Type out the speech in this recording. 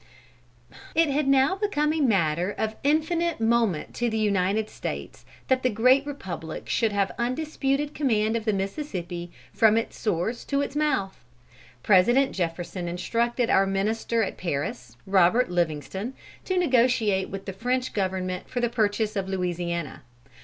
It had now become a matter of infinite moment to the United States that the great Republic should have undisputed command of the Mississippi, from its source to its mouth. President Jefferson instructed our Minister at Paris, Robert Livingston, to negotiate with the French Government for the purchase of Louisiana.